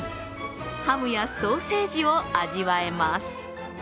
ハムやソーセージを味わえます。